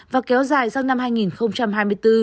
và kéo dài sang năm hai nghìn hai mươi bốn